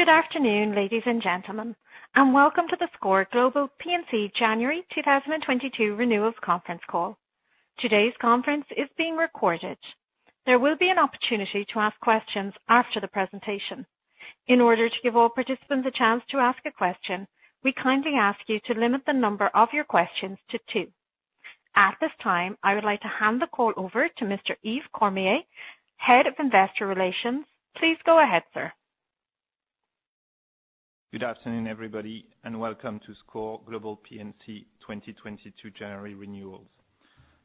Good afternoon, ladies and gentlemen, and welcome to the SCOR Global P&C January 2022 Renewals conference call. Today's conference is being recorded. There will be an opportunity to ask questions after the presentation. In order to give all participants a chance to ask a question, we kindly ask you to limit the number of your questions to two. At this time, I would like to hand the call over to Mr. Yves Cormier, Head of Investor Relations. Please go ahead, sir. Good afternoon, everybody, and welcome to SCOR Global P&C 2022 January Renewals.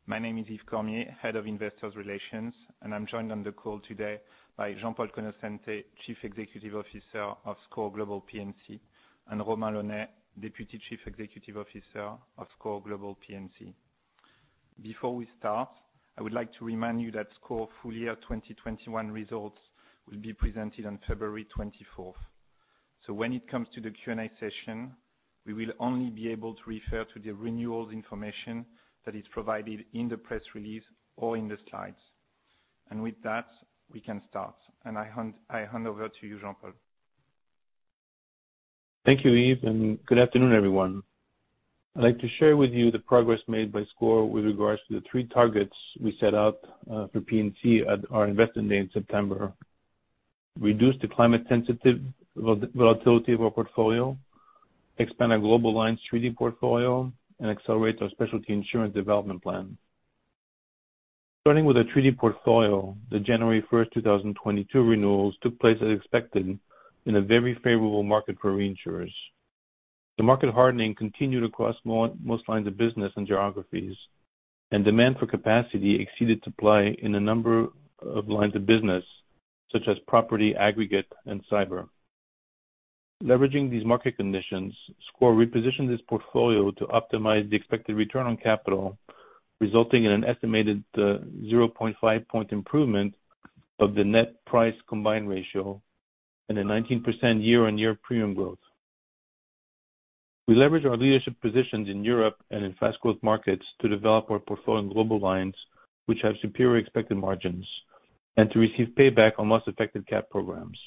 My name is Yves Cormier, Head of Investor Relations, and I'm joined on the call today by Jean-Paul Conoscente, Chief Executive Officer of SCOR Global P&C, and Romain Launay, Deputy Chief Executive Officer of SCOR Global P&C. Before we start, I would like to remind you that SCOR full-year 2021 results will be presented on February 24. When it comes to the Q&A session, we will only be able to refer to the renewals information that is provided in the press release or in the slides. With that, we can start. I hand over to you, Jean-Paul. Thank you, Yves, and good afternoon, everyone. I'd like to share with you the progress made by SCOR with regards to the three targets we set out for P&C at our Investor Day in September. Reduce the climate sensitive volatility of our portfolio, expand our global lines treaty portfolio, and accelerate our specialty insurance development plan. Starting with the treaty portfolio, the January 1st, 2022 renewals took place as expected in a very favorable market for reinsurers. The market hardening continued across most lines of business and geographies, and demand for capacity exceeded supply in a number of lines of business such as property, aggregate, and cyber. Leveraging these market conditions, SCOR repositioned its portfolio to optimize the expected return on capital, resulting in an estimated 0.5 point improvement of the net price combined ratio and a 19% year-on-year premium growth. We leverage our leadership positions in Europe and in fast growth markets to develop our portfolio in global lines, which have superior expected margins, and to receive payback on loss-affected cat programs.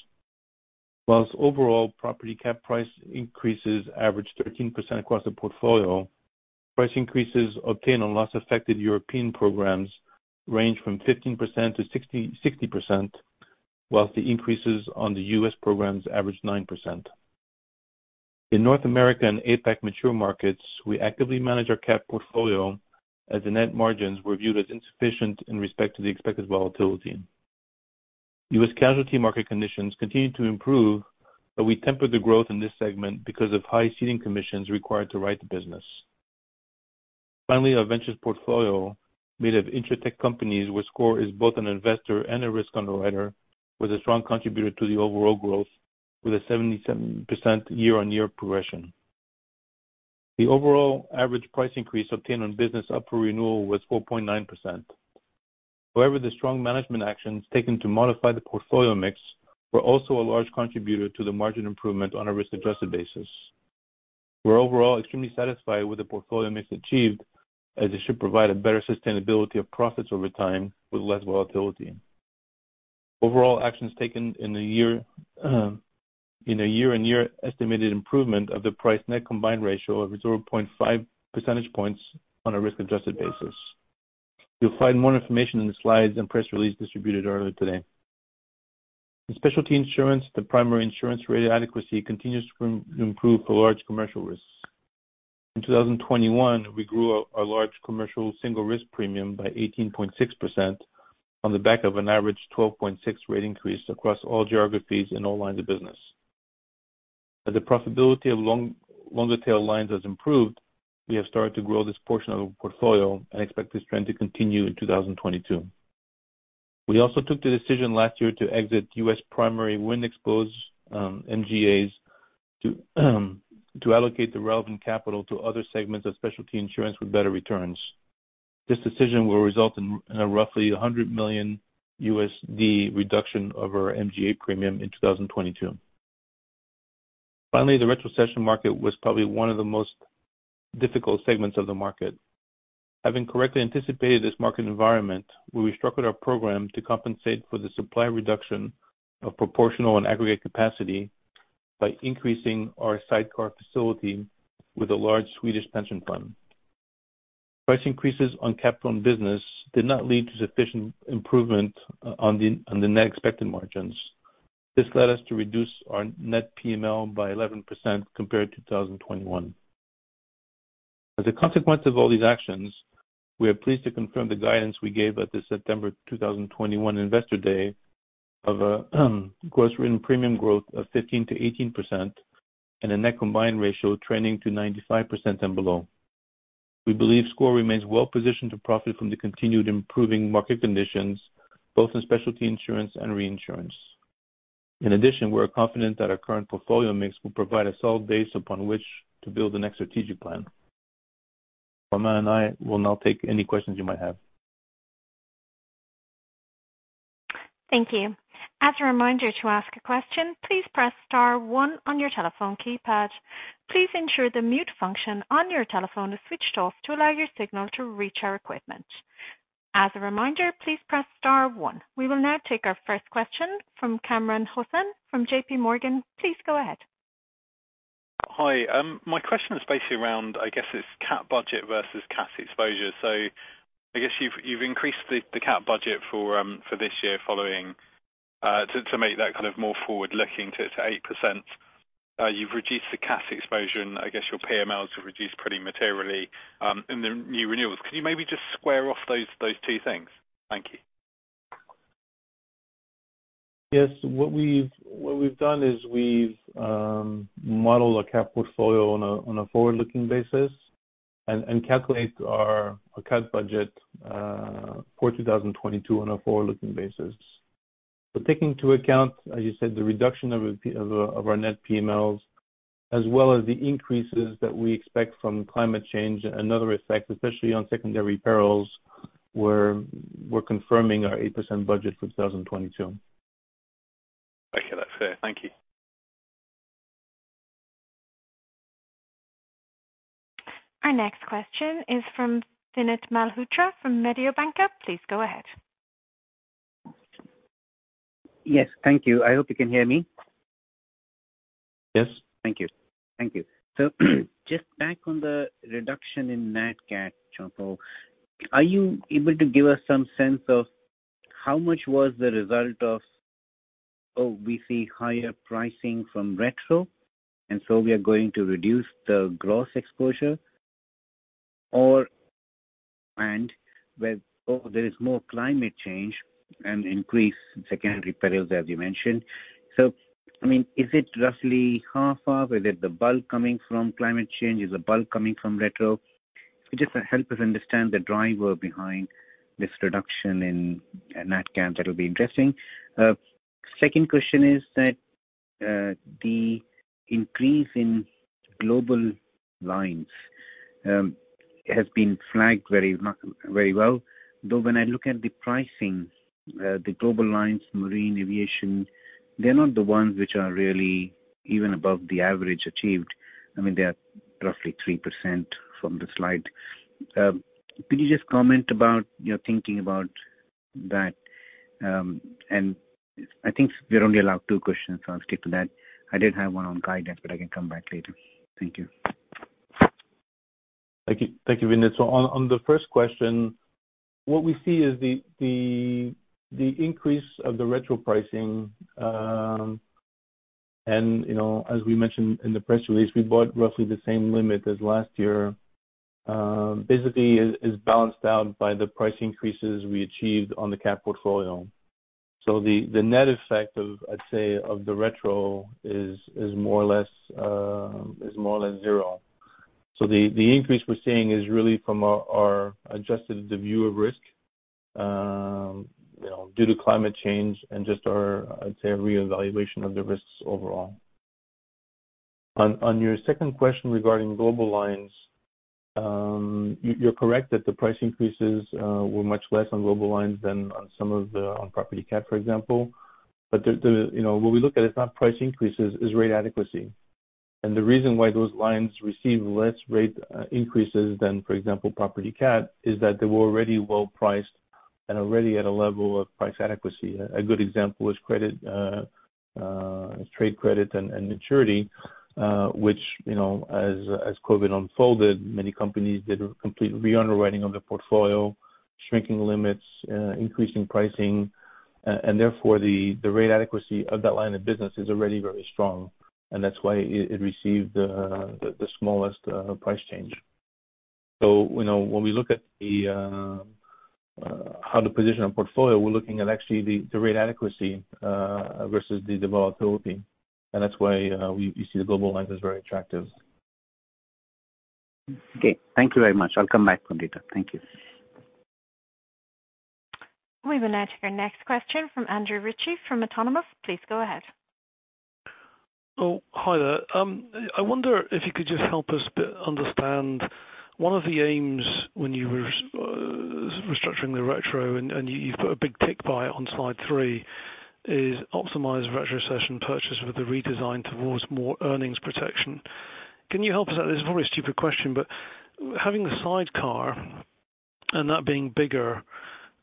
While overall property cat price increases average 13% across the portfolio, price increases obtained on loss-affected European programs range from 15%-60%, while the increases on the U.S. programs average 9%. In North America and APAC mature markets, we actively manage our cat portfolio as the net margins were viewed as insufficient in respect to the expected volatility. U.S. casualty market conditions continued to improve, but we tempered the growth in this segment because of high ceding commissions required to write the business. Finally, our ventures portfolio, made of Insurtech companies where SCOR is both an investor and a risk underwriter, was a strong contributor to the overall growth with a 77% year-on-year progression. The overall average price increase obtained on business up for renewal was 4.9%. However, the strong management actions taken to modify the portfolio mix were also a large contributor to the margin improvement on a risk-adjusted basis. We're overall extremely satisfied with the portfolio mix achieved, as it should provide a better sustainability of profits over time with less volatility. Overall actions taken in a year, in a year-on-year estimated improvement of the price net combined ratio of 0.5 percentage points on a risk-adjusted basis. You'll find more information in the slides and press release distributed earlier today. In specialty insurance, the primary insurance rate adequacy continues to improve for large commercial risks. In 2021, we grew our large commercial single risk premium by 18.6% on the back of an average 12.6% rate increase across all geographies in all lines of business. As the profitability of longer tail lines has improved, we have started to grow this portion of our portfolio and expect this trend to continue in 2022. We also took the decision last year to exit U.S. primary wind exposed MGAs to allocate the relevant capital to other segments of specialty insurance with better returns. This decision will result in a roughly $100 million reduction of our MGA premium in 2022. Finally, the retrocession market was probably one of the most difficult segments of the market. Having correctly anticipated this market environment, we restructured our program to compensate for the supply reduction of proportional and aggregate capacity by increasing our sidecar facility with a large Swedish pension fund. Price increases on capital and business did not lead to sufficient improvement on the net expected margins. This led us to reduce our net PML by 11% compared to 2021. As a consequence of all these actions, we are pleased to confirm the guidance we gave at the September 2021 Investor Day of gross written premium growth of 15%-18% and a net combined ratio trending to 95% and below. We believe SCOR remains well positioned to profit from the continued improving market conditions, both in specialty insurance and reinsurance. In addition, we're confident that our current portfolio mix will provide a solid base upon which to build the next strategic plan. Romain and I will now take any questions you might have. Thank you. We will now take our first question from Kamran Hossain from JPMorgan. Please go ahead. Hi. My question is basically around, I guess, it's cat budget versus cat exposure. I guess you've increased the cat budget for this year following to make that kind of more forward-looking to 8%. You've reduced the cat exposure and I guess your PMLs have reduced pretty materially in the new renewals. Can you maybe just square off those two things? Thank you. Yes. What we've done is we've modeled a cat portfolio on a forward-looking basis and calculate our cat budget for 2022 on a forward-looking basis. Taking into account, as you said, the reduction of our net PMLs, as well as the increases that we expect from climate change and other effects, especially on secondary perils, we're confirming our 8% budget for 2022. Okay. That's fair. Thank you. Our next question is from Vinit Malhotra from Mediobanca. Please go ahead. Yes. Thank you. I hope you can hear me. Yes. Thank you. Just back on the reduction in net cat, Jean-Paul, are you able to give us some sense of how much was the result of higher pricing from retro, and so we are going to reduce the gross exposure or, and there is more climate change and increase in secondary perils, as you mentioned. I mean, is it roughly half of? Is it the bulk coming from climate change? Is the bulk coming from retro? Just to help us understand the driver behind this reduction in net cat, that'll be interesting. Second question is that, the increase in global lines has been flagged very well, though when I look at the pricing, the global lines, Marine and Aviation, they're not the ones which are really even above the average achieved. I mean, they are roughly 3% from the slide. Could you just comment about your thinking about that? I think we're only allowed two questions, so I'll stick to that. I did have one on guidance, but I can come back later. Thank you. Thank you. Thank you, Vinit. On the first question, what we see is the increase of the retro pricing, and you know, as we mentioned in the press release, we bought roughly the same limit as last year, basically is balanced out by the price increases we achieved on the cat portfolio. The net effect of, I'd say, of the retro is more or less zero. The increase we're seeing is really from our adjusted view of risk, you know, due to climate change and just our, I'd say, reevaluation of the risks overall. On your second question regarding global lines, you're correct that the price increases were much less on global lines than on some of the property cat, for example. You know, what we look at is not price increases, is rate adequacy. The reason why those lines receive less rate increases than, for example, property cat, is that they were already well priced and already at a level of price adequacy. A good example is credit, trade credit and surety, which, you know, as COVID unfolded, many companies did a complete re-underwriting of their portfolio, shrinking limits, increasing pricing, and therefore the rate adequacy of that line of business is already very strong, and that's why it received the smallest price change. You know, when we look at how to position a portfolio, we're looking at actually the rate adequacy versus the volatility, and that's why we see the global line as very attractive. Okay. Thank you very much. I'll come back for later. Thank you. We will now take our next question from Andrew Ritchie from Autonomous. Please go ahead. Oh, hi there. I wonder if you could just help us understand one of the aims when you were restructuring the retrocession, and you've put a big tick by it on slide three, is optimize retrocession purchase with the redesign towards more earnings protection. Can you help us out? This is a very stupid question, but having the sidecar and that being bigger,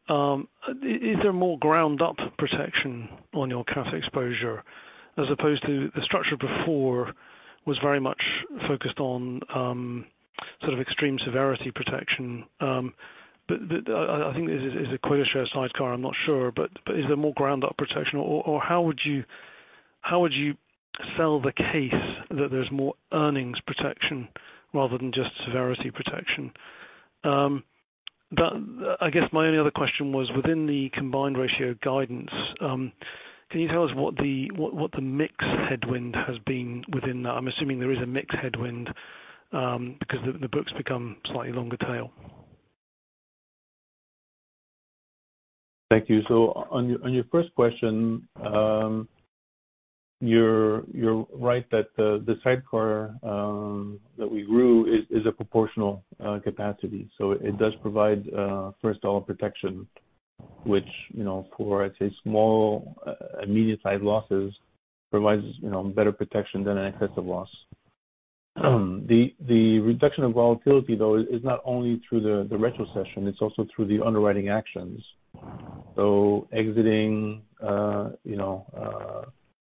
is there more ground up protection on your cat exposure as opposed to the structure before was very much focused on sort of extreme severity protection. I think this is a quota share sidecar, I'm not sure, but is there more ground up protection or how would you sell the case that there's more earnings protection rather than just severity protection? I guess my only other question was within the combined ratio guidance. Can you tell us what the mix headwind has been within that? I'm assuming there is a mix headwind, because the books become slightly longer tail. Thank you. On your first question, you're right that the sidecar that we grew is a proportional capacity. It does provide first dollar protection, which, you know, for I'd say small immediate sized losses provides, you know, better protection than excess of loss. The reduction of volatility though is not only through the retrocession, it's also through the underwriting actions. Exiting you know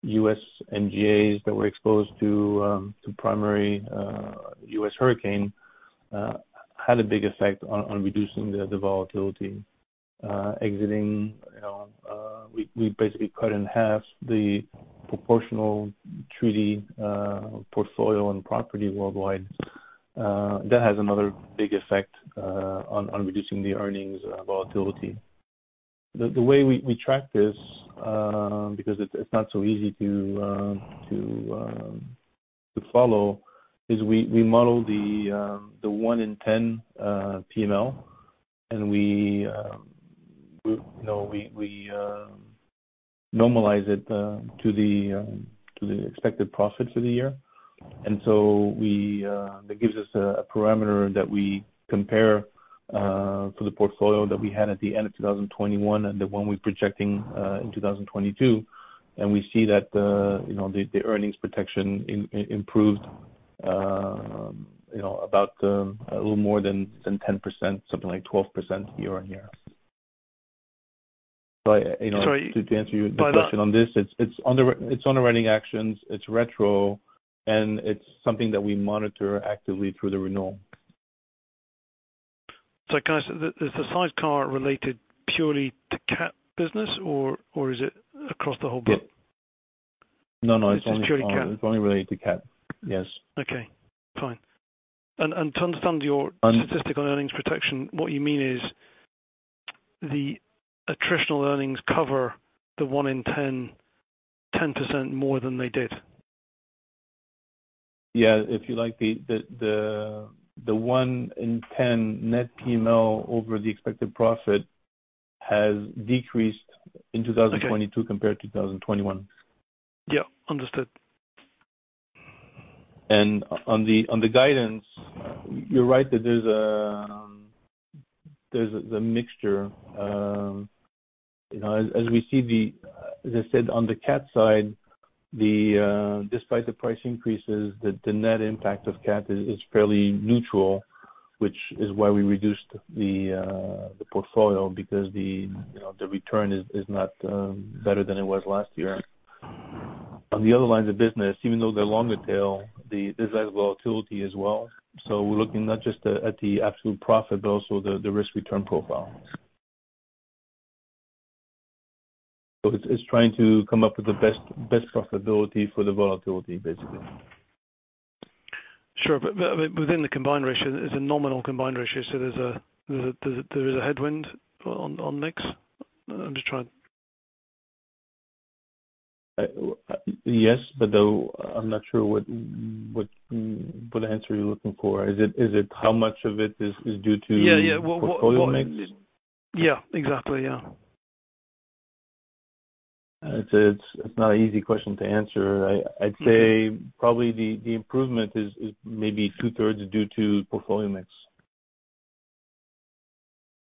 U.S. MGAs that were exposed to primary U.S. hurricane had a big effect on reducing the volatility. Exiting, you know, we basically cut in half the proportional treaty portfolio in property worldwide. That has another big effect on reducing the earnings volatility. The way we track this, because it's not so easy to follow, is we model the 1 in 10 PML, and we normalize it to the expected profit for the year. That gives us a parameter that we compare to the portfolio that we had at the end of 2021 and the one we're projecting in 2022, and we see that the earnings protection improved about a little more than 10%, something like 12% year-on-year. You know Sorry. To answer your question on this. It's underwriting actions, it's retro, and it's something that we monitor actively through the renewal. Is the sidecar related purely to cat business or is it across the whole book? No, no. It's purely CAT. It's only related to CAT. Yes. Okay. Fine. To understand your statistical earnings protection, what you mean is the attritional earnings cover the 1 in 10% more than they did. Yeah. If you like, the 1 in 10 net PML over the expected profit has decreased in 2022 compared to 2021. Yeah, understood. On the guidance, you're right that there's a mixture. You know, as we see the. As I said, on the CAT side, despite the price increases, the net impact of CAT is fairly neutral, which is why we reduced the portfolio because the return is not better than it was last year. On the other lines of business, even though they're longer tail, there's less volatility as well. We're looking not just at the absolute profit, but also the risk return profile. It's trying to come up with the best profitability for the volatility, basically. Sure. Within the combined ratio, it's a nominal combined ratio, so there's a headwind on mix. I'm just trying. Yes, but though I'm not sure what answer you're looking for. Is it how much of it is due to Yeah, yeah. What Portfolio mix? Yeah, exactly. Yeah. It's not an easy question to answer. Okay. I'd say probably the improvement is maybe two-thirds due to portfolio mix.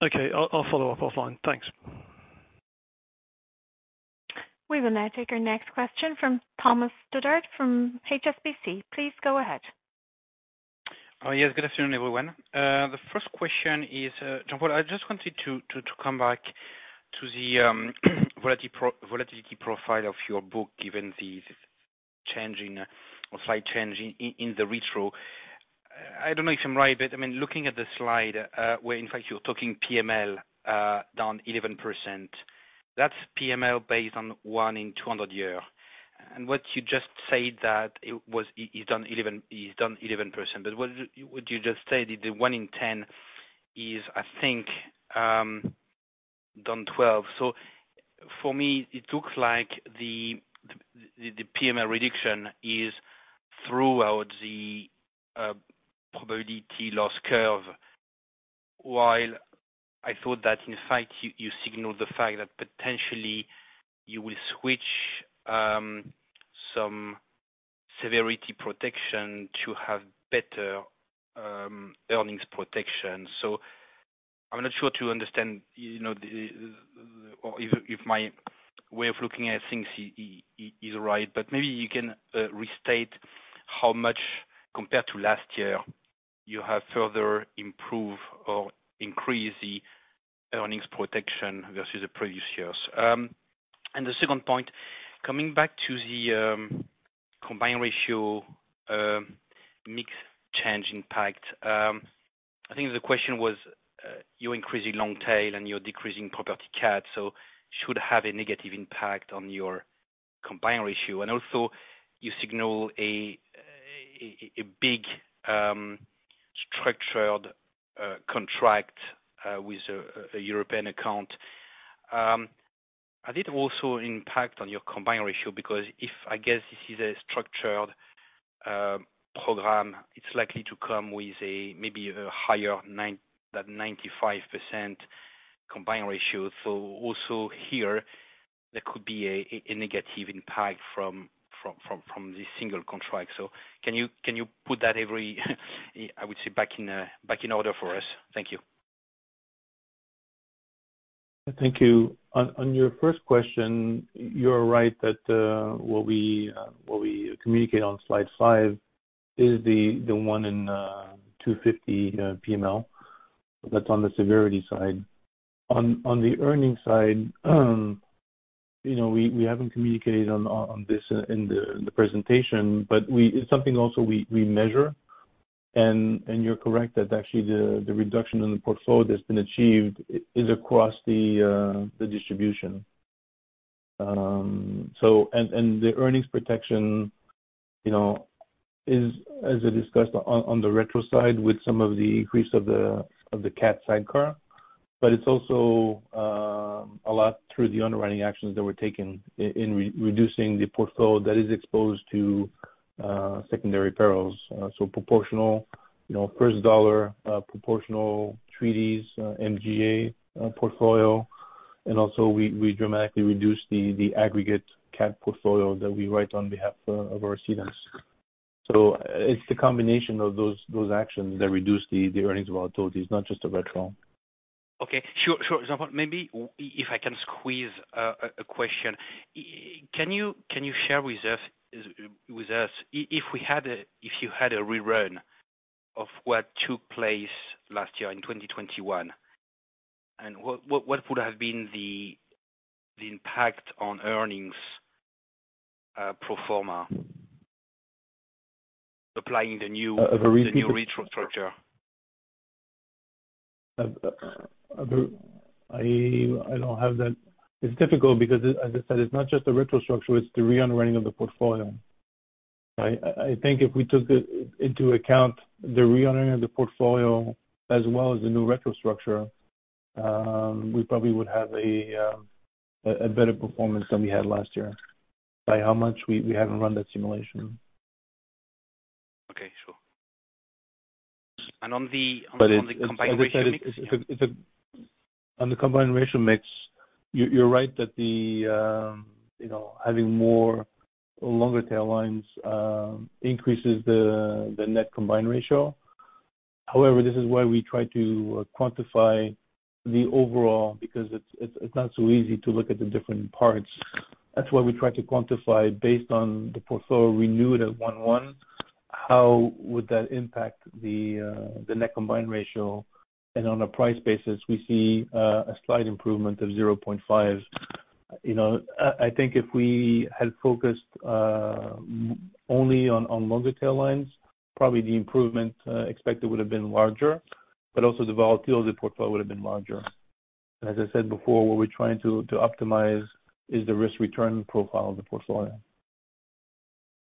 Okay. I'll follow up offline. Thanks. We will now take our next question from Thomas Fossard from SCOR. Please go ahead. Oh, yes. Good afternoon, everyone. The first question is, Jean-Paul, I just wanted to come back to the volatility profile of your book, given the change in or slight change in the retro. I don't know if I'm right, but I mean, looking at the slide, where in fact you're talking PML down 11%, that's PML based on ONE in 200-year. What you just said that it was, it's down 11%, but what you just said, the 1 in 10 is I think down 12%. So for me it looks like the PML reduction is throughout the probability loss curve. While I thought that in fact you signaled the fact that potentially you will switch some severity protection to have better earnings protection. I'm not sure to understand if my way of looking at things is right, but maybe you can restate how much compared to last year you have further improved or increased the earnings protection versus the previous years. The second point, coming back to the combined ratio mix change impact. I think the question was, you're increasing long tail and you're decreasing property CAT, so should have a negative impact on your combined ratio. You signal a big structured contract with a European account. Did it also impact on your combined ratio because if I guess this is a structured program, it's likely to come with maybe a higher 9.95% combined ratio. Also here there could be a negative impact from this single contract. Can you put that every I would say back in order for us? Thank you. Thank you. On your first question, you're right that what we communicate on Slide 5 is the 1 in 250 PML. That's on the severity side. On the earnings side, you know, we haven't communicated on this in the presentation, but it's something also we measure. You're correct that actually the reduction in the portfolio that's been achieved is across the distribution. So the earnings protection, you know, is, as I discussed on the retro side with some of the increase of the cat sidecar. But it's also a lot through the underwriting actions that were taken in reducing the portfolio that is exposed to secondary perils. proportional, you know, first dollar, proportional treaties, MGA, portfolio. Also we dramatically reduced the aggregate cat portfolio that we write on behalf of our cedants. It's the combination of those actions that reduce the earnings volatility. It's not just the retro. Okay. Sure. Jean-Paul, maybe if I can squeeze a question. Can you share with us if you had a rerun of what took place last year in 2021, and what would have been the impact on earnings, pro forma applying the new- Of the recent- The new retro structure? I don't have that. It's difficult because as I said, it's not just the retro structure, it's the re-underwriting of the portfolio. I think if we took into account the re-underwriting of the portfolio as well as the new retro structure, we probably would have a better performance than we had last year. By how much, we haven't run that simulation. Okay. Sure. But it's- On the combined ratio mix. As I said, on the combined ratio mix you're right that having more longer tail lines increases the net combined ratio. However, this is why we try to quantify the overall because it's not so easy to look at the different parts. That's why we try to quantify based on the portfolio renewed at 1-1, how would that impact the net combined ratio. On a price basis, we see a slight improvement of 0.5. I think if we had focused only on longer tail lines, probably the improvement expected would have been larger, but also the volatility of the portfolio would have been larger. As I said before, what we're trying to optimize is the risk return profile of the portfolio.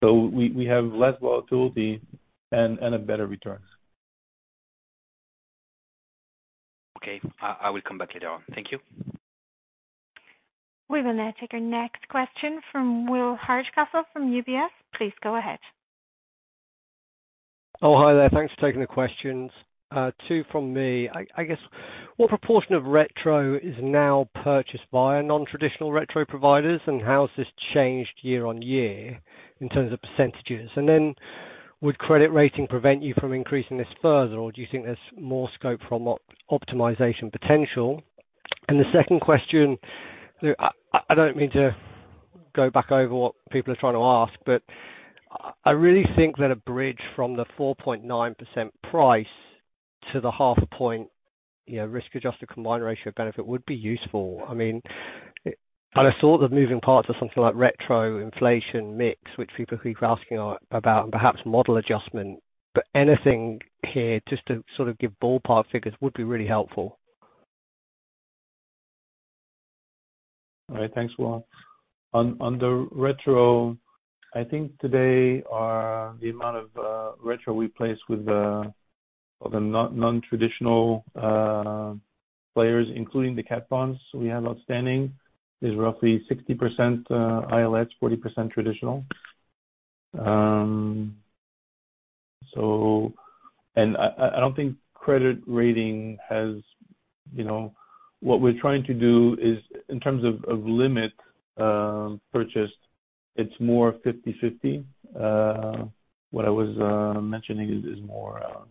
We have less volatility and a better returns. Okay. I will come back later on. Thank you. We will now take our next question from Will Hardcastle from UBS. Please go ahead. Oh, hi there. Thanks for taking the questions. Two from me. I guess what proportion of retro is now purchased by our non-traditional retro providers, and how has this changed year-on-year in terms of percentages? Then would credit rating prevent you from increasing this further, or do you think there's more scope for optimization potential? The second question, I don't mean to go back over what people are trying to ask, but I really think that a bridge from the 4.9% price to the half a point, you know, risk-adjusted combined ratio of benefit would be useful. I mean, I saw the moving parts of something like retro inflation mix, which people keep asking about, and perhaps model adjustment. Anything here just to sort of give ballpark figures would be really helpful. All right. Thanks, Will. On the retro, I think today the amount of retro we place with the non-traditional players, including the cat bonds we have outstanding, is roughly 60% ILS, 40% traditional. I don't think credit rating has, you know. What we're trying to do is in terms of limit purchase, it's more 50/50. What I was mentioning is more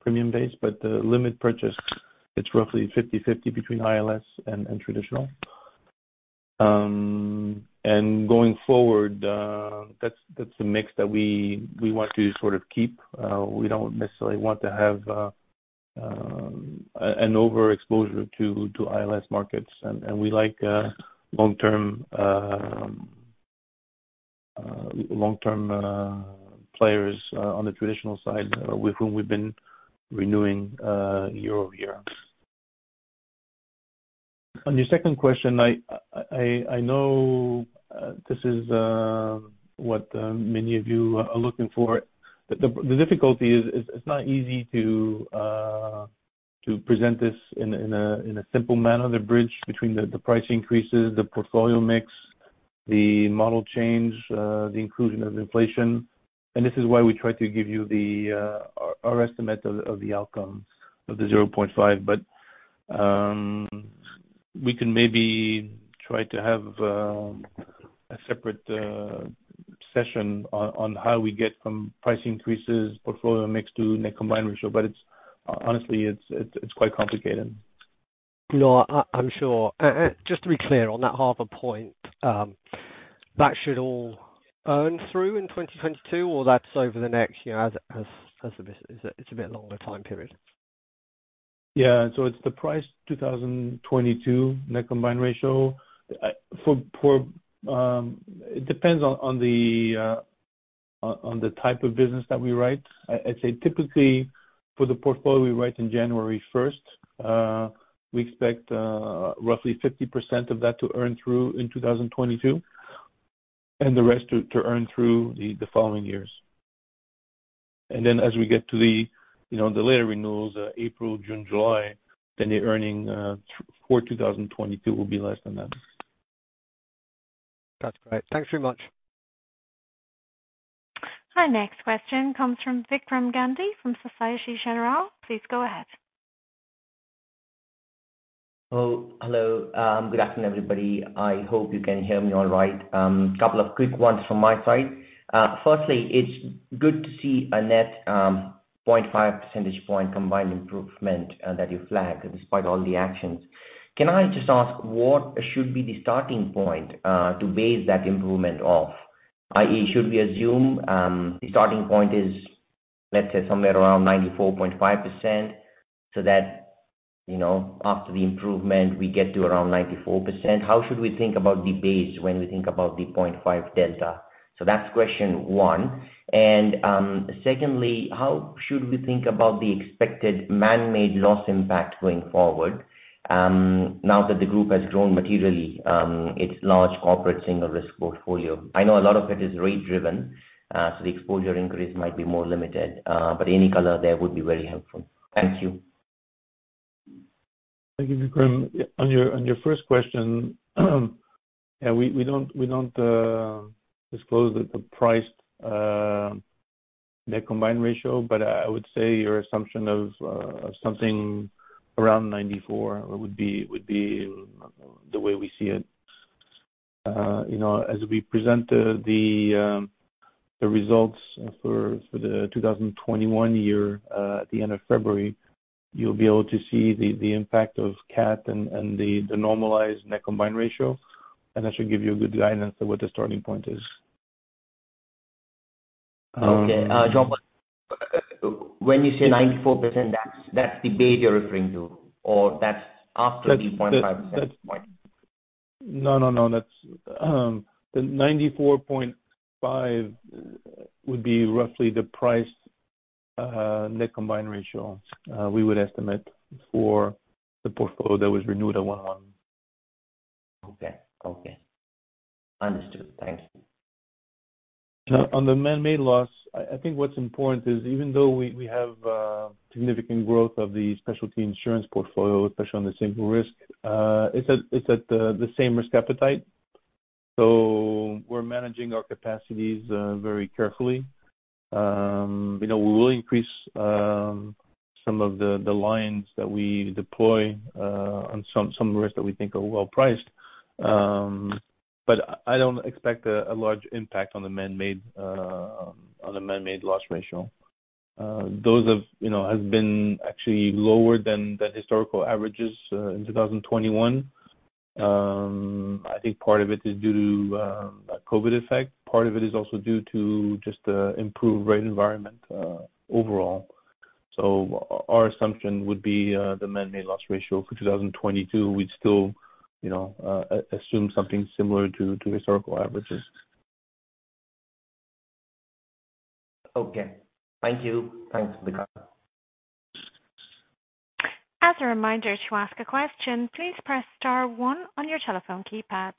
premium based, but the limit purchase, it's roughly 50/50 between ILS and traditional. Going forward, that's the mix that we want to sort of keep. We don't necessarily want to have an overexposure to ILS markets. We like long-term players on the traditional side with whom we've been renewing year-over-year. On your second question, I know this is what many of you are looking for. The difficulty is it's not easy to present this in a simple manner, the bridge between the price increases, the portfolio mix, the model change, the inclusion of inflation. This is why we try to give you our estimate of the outcomes of the 0.5. We can maybe try to have a separate session on how we get from price increases, portfolio mix to net combined ratio. It's honestly quite complicated. No, I'm sure. Just to be clear on that Harvard point, that should all earn through in 2022 or that's over the next year as a business, it's a bit longer time period. Yeah. It's the priced 2022 net combined ratio for P&C. It depends on the type of business that we write. I'd say typically for the portfolio we write in January 1, we expect roughly 50% of that to earn through in 2022, and the rest to earn through the following years. As we get to you know the later renewals, April, June, July, then the earning for 2022 will be less than that. That's great. Thanks very much. Our next question comes from Vikram Gandhi from Société Générale. Please go ahead. Oh, hello. Good afternoon, everybody. I hope you can hear me all right. A couple of quick ones from my side. Firstly, it's good to see a net 0.5 percentage point combined improvement that you flagged despite all the actions. Can I just ask what should be the starting point to base that improvement off? Should we assume the starting point is, let's say, somewhere around 94.5%, so that, you know, after the improvement, we get to around 94%? How should we think about the base when we think about the 0.5 delta? That's question one. Secondly, how should we think about the expected manmade loss impact going forward now that the group has grown materially its large corporate single risk portfolio? I know a lot of it is rate driven, so the exposure increase might be more limited, but any color there would be very helpful. Thank you. Thank you, Vikram. On your first question, yeah, we don't disclose the priced net combined ratio. But I would say your assumption of something around 94% would be the way we see it. You know, as we present the results for the 2021 year, at the end of February, you'll be able to see the impact of CAT and the normalized net combined ratio. That should give you a good guidance of what the starting point is. Okay. Jean-Paul, when you say 94%, that's the base you're referring to or that's after the 0.5% point? No, no. That's the 94.5 would be roughly the priced net combined ratio we would estimate for the portfolio that was renewed at 11. Okay. Okay. Understood. Thanks. On the manmade loss, I think what's important is even though we have significant growth of the specialty insurance portfolio, especially on the single risk, it's at the same risk appetite. We're managing our capacities very carefully. You know, we will increase some of the lines that we deploy on some risks that we think are well priced. I don't expect a large impact on the manmade loss ratio. Those have you know been actually lower than the historical averages in 2021. I think part of it is due to that COVID effect. Part of it is also due to just the improved rate environment overall. Our assumption would be the manmade loss ratio for 2022. We'd still, you know, assume something similar to historical averages. Okay. Thank you. Thanks, Vikram. As a reminder to ask a question, please press Star one on your telephone keypad.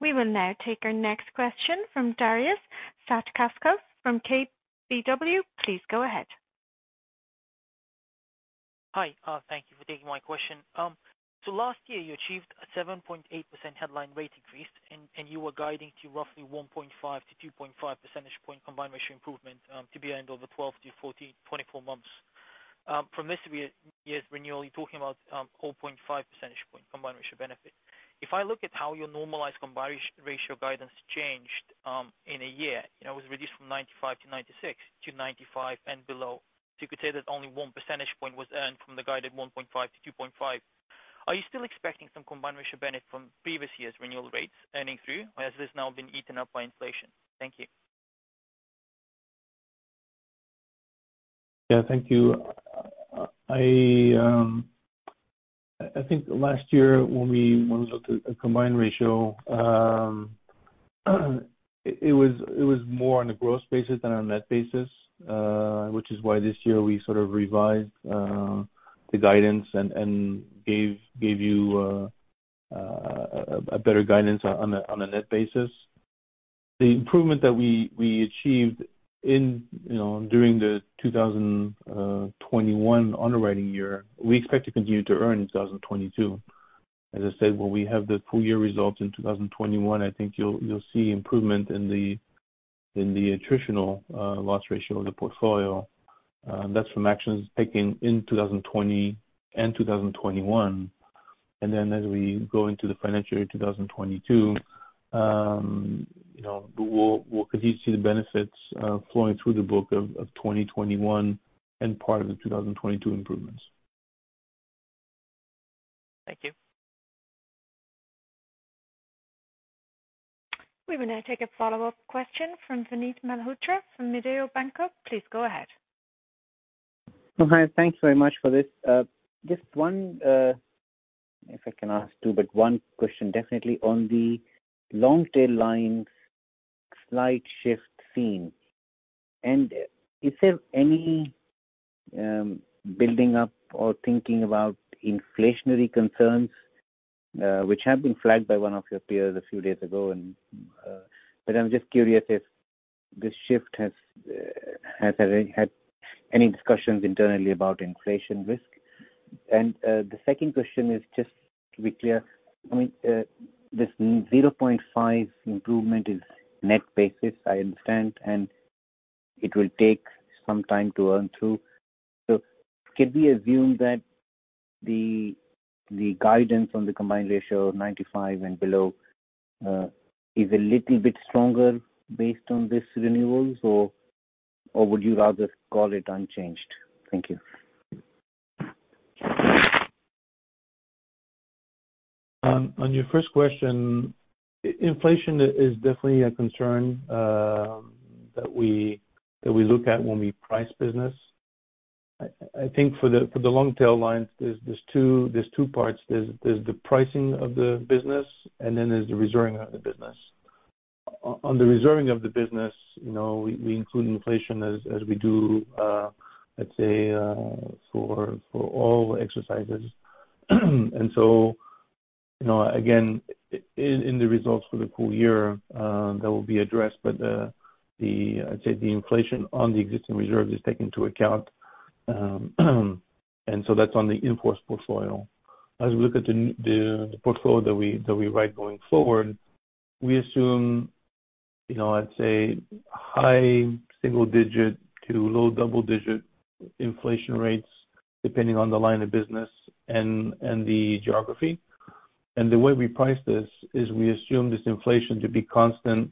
We will now take our next question from Darius Satkauskas from KBW. Please go ahead. Hi. Thank you for taking my question. So last year you achieved a 7.8% headline rate increase, and you were guiding to roughly 1.5-2.5 percentage point combined ratio improvement, to be earned over 12-14 or 24 months. From this year's renewal, you're talking about 0.5 percentage point combined ratio benefit. If I look at how your normalized combined ratio guidance changed in a year, it was reduced from 90-96 to 95 and below. You could say that only 1 percentage point was earned from the guided 1.5-2.5. Are you still expecting some combined ratio benefit from previous years' renewal rates earning through, or has this now been eaten up by inflation? Thank you. Yeah, thank you. I think last year when we looked at combined ratio, it was more on a gross basis than on a net basis, which is why this year we sort of revised the guidance and gave you a better guidance on a net basis. The improvement that we achieved in, you know, during the 2021 underwriting year, we expect to continue to earn in 2022. As I said, when we have the full-year results in 2021, I think you'll see improvement in the attritional loss ratio of the portfolio, that's from actions taken in 2020 and 2021. As we go into the financial year 2022, you know, we'll continue to see the benefits flowing through the book of 2021 and part of the 2022 improvements. Thank you. We will now take a follow-up question from Vinit Malhotra from Mediobanca. Please go ahead. Hi, thanks very much for this. Just one, if I can ask two, but one question definitely on the long tail lines slight shift seen. Is there any building up or thinking about inflationary concerns, which have been flagged by one of your peers a few days ago? I'm just curious if this shift has had any discussions internally about inflation risk. The second question is just to be clear, I mean, this 0.5 improvement is net basis, I understand, and it will take some time to earn through. Can we assume that the guidance on the combined ratio of 95 and below is a little bit stronger based on this renewals or would you rather call it unchanged? Thank you. On your first question, inflation is definitely a concern that we look at when we price business. I think for the long tail lines, there are two parts. There is the pricing of the business, and then there is the reserving of the business. On the reserving of the business, you know, we include inflation as we do, let's say, for all exercises. You know, again, in the results for the full-year, that will be addressed. I'd say the inflation on the existing reserves is taken into account, and so that's on the in-force portfolio. As we look at the portfolio that we write going forward, we assume, you know, I'd say high single-digit to low double-digit inflation rates, depending on the line of business and the geography. The way we price this is we assume this inflation to be constant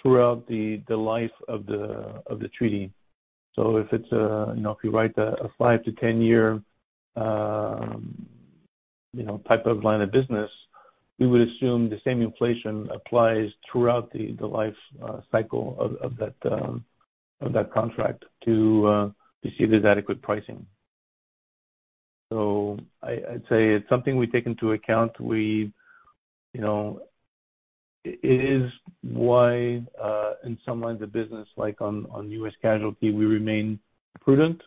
throughout the life of the treaty. If you write a 5 year-10 year type of line of business, we would assume the same inflation applies throughout the life cycle of that contract to see if there's adequate pricing. I'd say it's something we take into account. We, you know. It is why in some lines of business, like on U.S. casualty, we remain prudent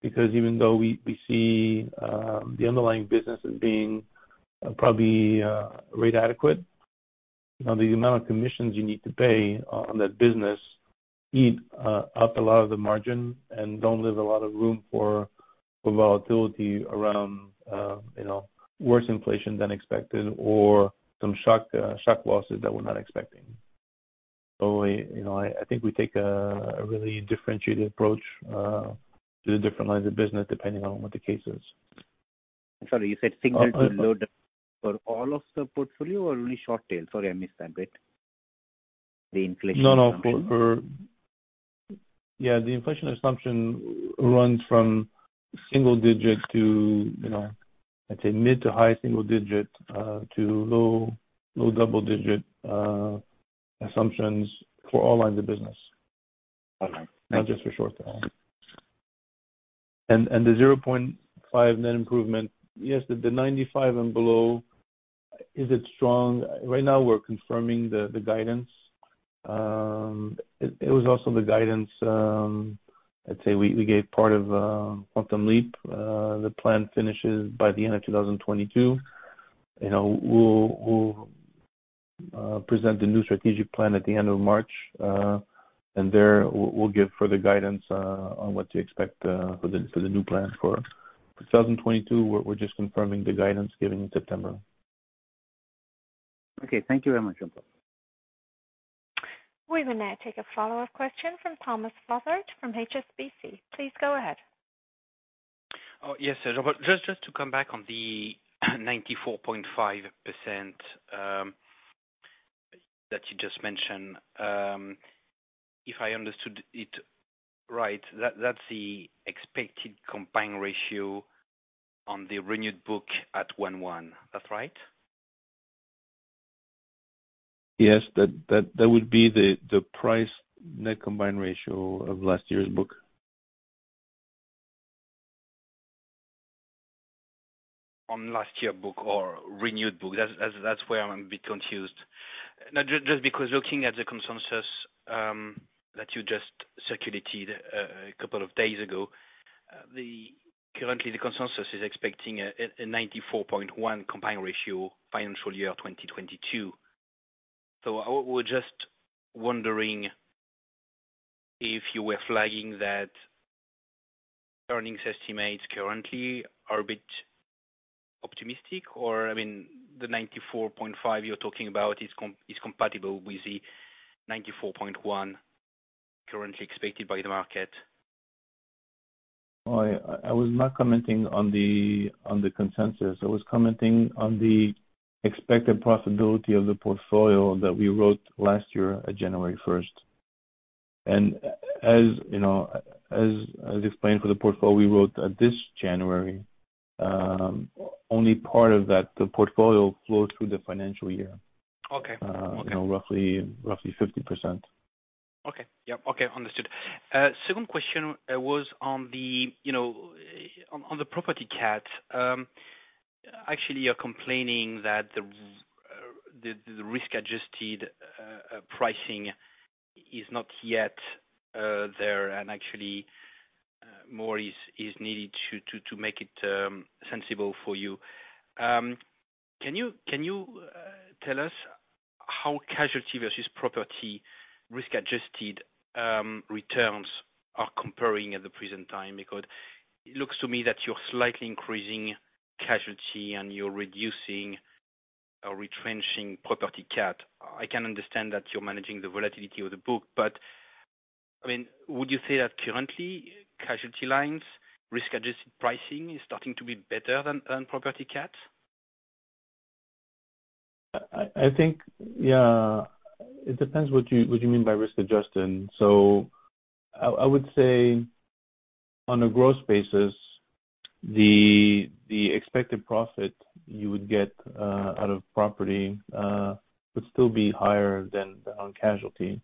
because even though we see the underlying businesses being probably rate adequate, you know, the amount of commissions you need to pay on that business eat up a lot of the margin and don't leave a lot of room for volatility around, you know, worse inflation than expected or some shock losses that we're not expecting. I, you know, think we take a really differentiated approach to the different lines of business depending on what the case is. Sorry. You said single to low for all of the portfolio or only short tail? Sorry, I missed that bit. The inflation assumption. No, no. Yeah, the inflation assumption runs from single-digit to, you know, I'd say mid- to high-single-digit to low-double-digit assumptions for all lines of business. All right. Thank you. Not just for short term. The 0.5 net improvement. Yes, the 95 and below, is it strong? Right now we're confirming the guidance. It was also the guidance I'd say we gave part of Quantum Leap. The plan finishes by the end of 2022. You know, we'll present the new strategic plan at the end of March, and there we'll give further guidance on what to expect for the new plan for 2022. We're just confirming the guidance given in September. Okay. Thank you very much. We will now take a follow-up question from Thomas Fossard from HSBC. Please go ahead. Oh, yes, sir. Just to come back on the 94.5%, that you just mentioned. If I understood it right, that's the expected combined ratio on the renewed book at 1/1. That's right? Yes. That would be the priced net combined ratio of last year's book. On last year's book or renewed book. That's where I'm a bit confused. Now, just because looking at the consensus that you just circulated a couple of days ago, the current consensus is expecting a 94.1 combined ratio financial year 2022. I was just wondering if you were flagging that earnings estimates currently are a bit optimistic or, I mean, the 94.5 you're talking about is compatible with the 94.1 currently expected by the market. I was not commenting on the consensus. I was commenting on the expected profitability of the portfolio that we wrote last year at January first. As you know, as explained for the portfolio we wrote at this January, only part of that, the portfolio flowed through the financial year. Okay. Okay. You know, roughly 50%. Okay. Yeah. Okay. Understood. Second question was on the, you know, on the property cat. Actually, you're complaining that the risk-adjusted pricing is not yet there and actually more is needed to make it sensible for you. Can you tell us how casualty versus property risk-adjusted returns are comparing at the present time? Because it looks to me that you're slightly increasing casualty and you're reducing or retrenching property cat. I can understand that you're managing the volatility of the book, but I mean, would you say that currently casualty lines risk-adjusted pricing is starting to be better than property cats? I think, yeah, it depends what you mean by risk-adjusted. I would say on a gross basis, the expected profit you would get out of property would still be higher than on casualty.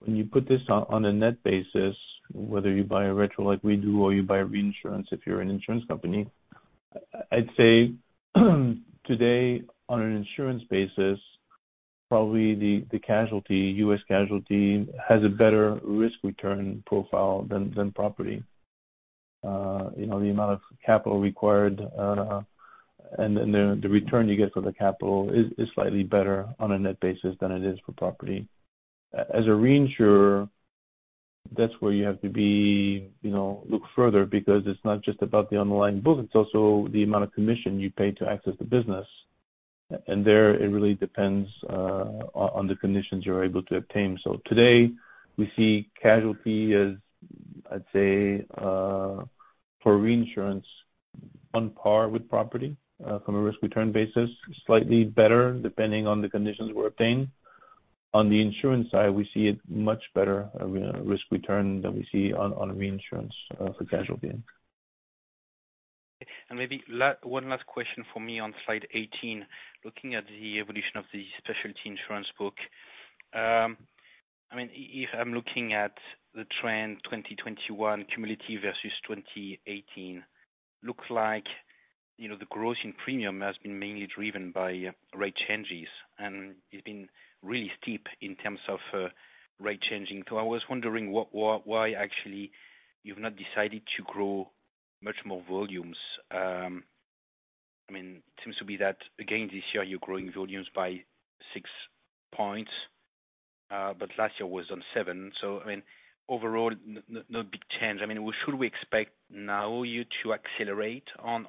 When you put this on a net basis, whether you buy a retro like we do or you buy reinsurance if you're an insurance company, I'd say, today, on an insurance basis, probably the casualty, US Casualty has a better risk-return profile than property. You know, the amount of capital required and then the return you get for the capital is slightly better on a net basis than it is for property. As a reinsurer, that's where you have to be, you know, look further because it's not just about the underlying book, it's also the amount of commission you pay to access the business. There, it really depends on the conditions you're able to obtain. Today we see casualty as, I'd say, for reinsurance on par with property, from a risk return basis, slightly better depending on the conditions we obtain. On the insurance side, we see a much better risk return than we see on a reinsurance for casualty. Maybe one last question for me on slide 18, looking at the evolution of the specialty insurance book. I mean, if I'm looking at the trend 2021 cumulative versus 2018, looks like, you know, the growth in premium has been mainly driven by rate changes, and it's been really steep in terms of rate changing. I was wondering why actually you've not decided to grow much more volumes. I mean, it seems to be that again, this year, you're growing volumes by 6%, but last year was on 7%. I mean, overall not big change. I mean, should we expect now you to accelerate on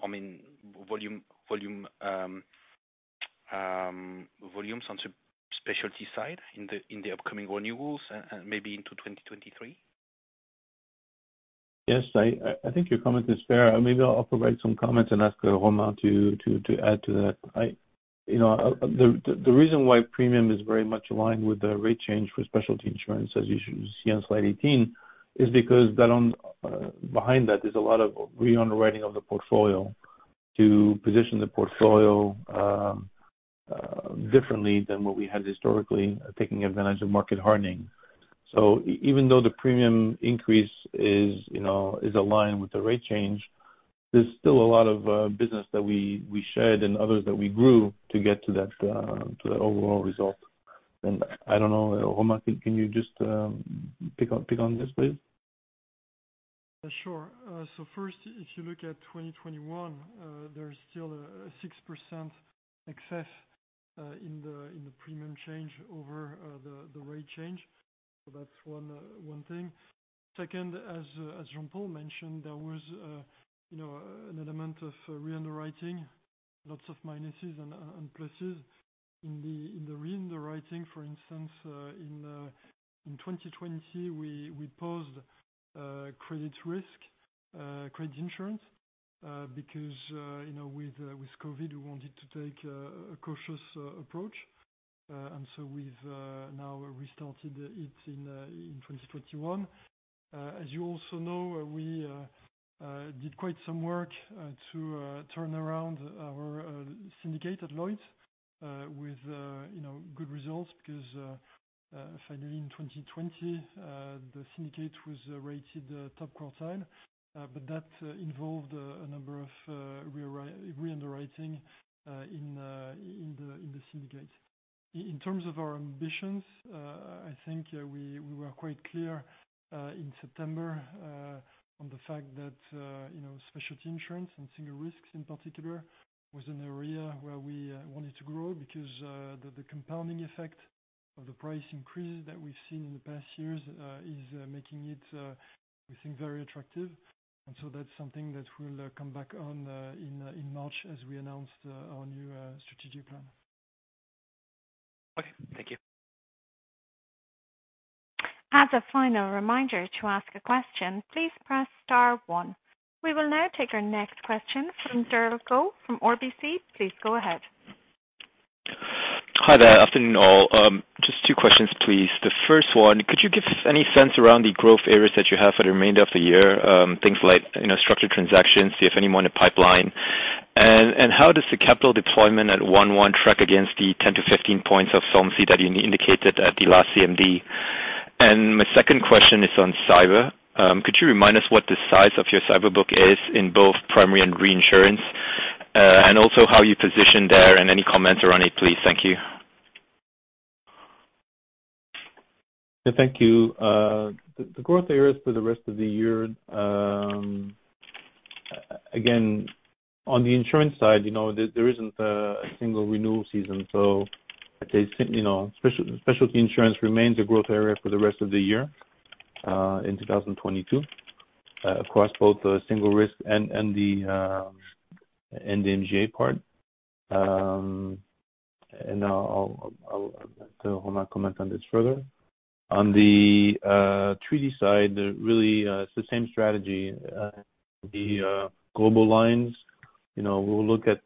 volumes on the specialty side in the upcoming renewals and maybe into 2023? Yes. I think your comment is fair. Maybe I'll provide some comments and ask Romain to add to that. The reason why premium is very much aligned with the rate change for specialty insurance, as you should see on Slide 18, is because that on behind that, there's a lot of reunderwriting of the portfolio to position the portfolio differently than what we had historically, taking advantage of market hardening. So even though the premium increase is aligned with the rate change, there's still a lot of business that we shed and others that we grew to get to that to the overall result. I don't know, Romain, can you just pick up on this, please? Sure. First, if you look at 2021, there's still a 6% excess in the premium change over the rate change. That's one thing. Second, as Jean-Paul mentioned, there was you know, an element of reunderwriting, lots of minuses and pluses. In the reunderwriting, for instance, in 2020, we paused credit risk, credit insurance, because you know, with COVID, we wanted to take a cautious approach. We've now restarted it in 2021. As you also know, we did quite some work to turn around our syndicate at Lloyd's with you know good results because finally in 2020 the syndicate was rated top quartile. But that involved a number of reunderwriting in the syndicate. In terms of our ambitions, I think we were quite clear in September on the fact that you know specialty insurance and single risks in particular was an area where we wanted to grow because the compounding effect of the price increases that we've seen in the past years is making it we think very attractive. That's something that we'll come back on in March as we announce our new strategic plan. Okay, thank you. As a final reminder to ask a question, please press Star one. We will now take our next question from Derald Goh from RBC. Please go ahead. Hi there. Afternoon, all. Just two questions, please. The first one, could you give any sense around the growth areas that you have for the remainder of the year? Things like, you know, structured transactions, if any more in the pipeline. How does the capital deployment at one, one track against the 10-15 points of firm order that you indicated at the last CMD? My second question is on cyber. Could you remind us what the size of your cyber book is in both primary and reinsurance? And also how you position there and any comments around it, please. Thank you. Thank you. The growth areas for the rest of the year, again, on the insurance side, you know, there isn't a single renewal season, so I'd say, you know, specialty insurance remains a growth area for the rest of the year in 2022. Of course, both the single risk and the MGA part. I'll let Romain comment on this further. On the treaty side, really, it's the same strategy. The global lines, you know, we'll look at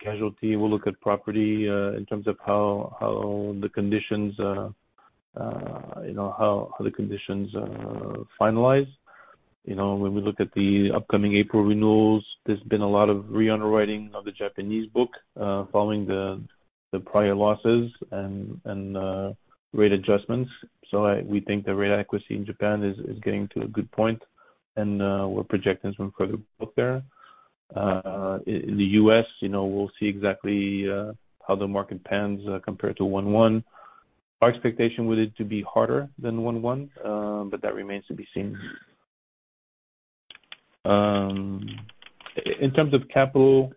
casualty, we'll look at property in terms of how the conditions, you know, are finalized. You know, when we look at the upcoming April renewals, there's been a lot of re-underwriting of the Japanese book following the prior losses and rate adjustments. We think the rate adequacy in Japan is getting to a good point, and we're projecting some further book there. In the U.S., you know, we'll see exactly how the market pans out compared to 1/1. Our expectation is for it to be harder than one, one, but that remains to be seen. In terms of capital,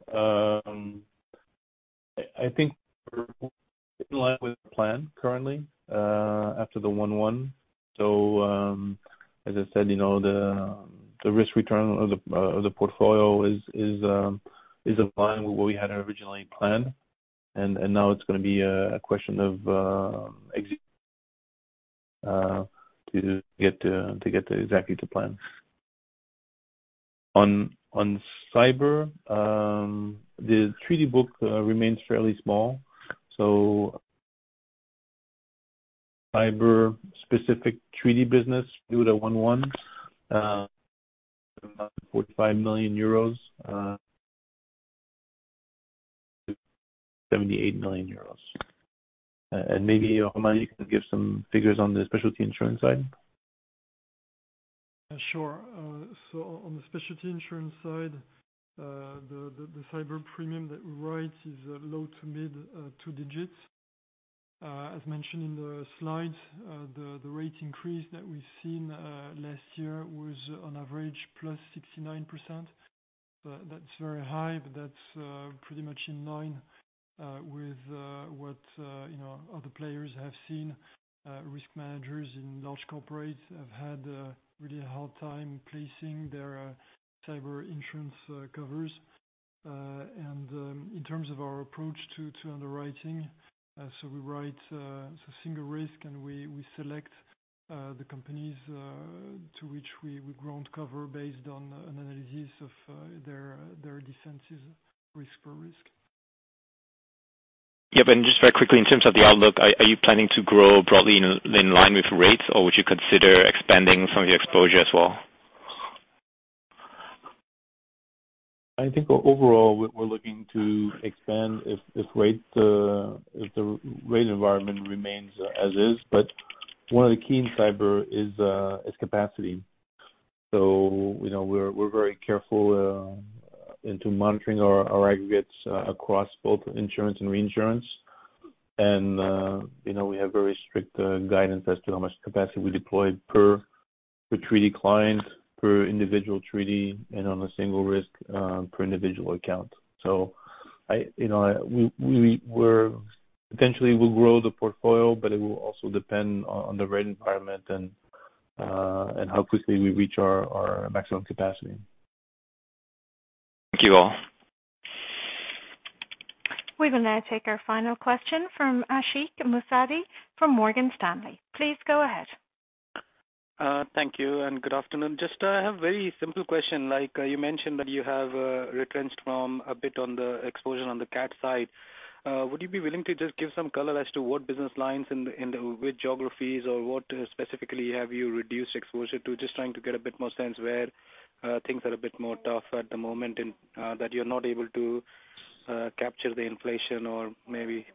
I think we're in line with the plan currently after the 1/1. As I said, you know, the risk return of the portfolio is in line with what we had originally planned. Now it's gonna be a question of to get exactly to plan. On cyber, the treaty book remains fairly small. Cyber-specific treaty business due to 1/1 about 45 million euros, 78 million euros. Maybe, Romain, you can give some figures on the specialty insurance side. Sure. On the specialty insurance side, the cyber premium that we write is low to mid two digits. As mentioned in the slides, the rate increase that we've seen last year was on average +69%. But that's very high, that's pretty much in line with what you know other players have seen. Risk managers in large corporates have had a really hard time placing their cyber insurance covers. In terms of our approach to underwriting, we write single risk, and we select the companies to which we grant cover based on an analysis of their defenses risk per risk. Yeah. Just very quickly, in terms of the outlook, are you planning to grow broadly in line with rates, or would you consider expanding some of your exposure as well? I think overall we're looking to expand if the rate environment remains as is. One of the keys in cyber is capacity. You know, we're very careful in monitoring our aggregates across both insurance and reinsurance. You know, we have very strict guidance as to how much capacity we deploy per the treaty client, per individual treaty, and on a single risk per individual account. You know, we potentially will grow the portfolio, but it will also depend on the rate environment and how quickly we reach our maximum capacity. Thank you all. We will now take our final question from Ashik Musaddi from Morgan Stanley. Please go ahead. Thank you and good afternoon. Just, I have very simple question. Like, you mentioned that you have retrenched from a bit on the exposure on the cat side. Would you be willing to just give some color as to what business lines in the which geographies or what specifically have you reduced exposure to? Just trying to get a bit more sense where things are a bit more tough at the moment and that you're not able to capture the inflation or maybe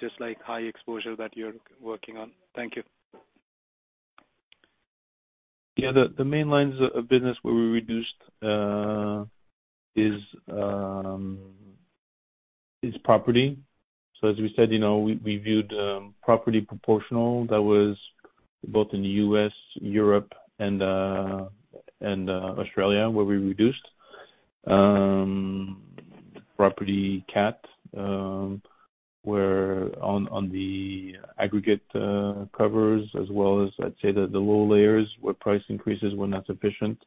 just like high exposure that you're working on. Thank you. Yeah. The main lines of business where we reduced is property. As we said, you know, we viewed property proportional. That was both in the U.S., Europe and Australia, where we reduced. Property cat, where on the aggregate covers as well as I'd say the low layers where price increases were not sufficient,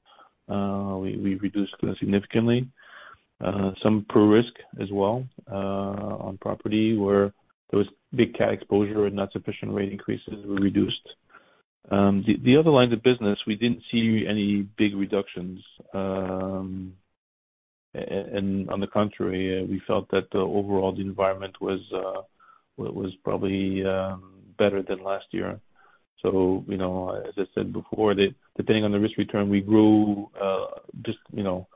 we reduced significantly. Some per risk as well on property where there was big cat exposure and not sufficient rate increases were reduced. The other lines of business, we didn't see any big reductions. On the contrary, we felt that the overall environment was probably better than last year. you know, as I said before, depending on the risk return, we grew, just, you know,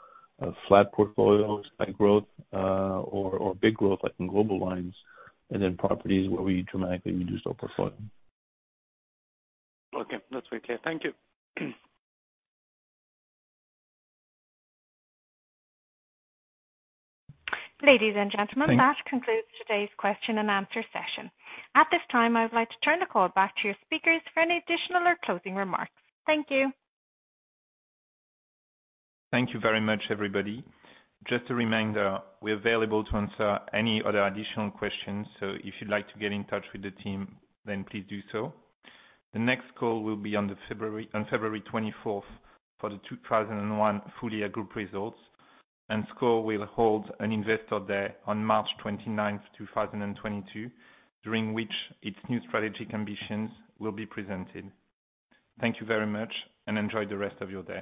flat portfolios like growth, or big growth like in global lines, and then properties where we dramatically reduced our portfolio. Okay. That's very clear. Thank you. Ladies and gentlemen. Thanks. That concludes today's question and answer session. At this time, I would like to turn the call back to your speakers for any additional or closing remarks. Thank you. Thank you very much, everybody. Just a reminder, we're available to answer any other additional questions. So if you'd like to get in touch with the team, then please do so. The next call will be on February 24th for the 2021 full-year group results. SCOR will hold an Investor Day on March 29th, 2022, during which its new strategic ambitions will be presented. Thank you very much, and enjoy the rest of your day.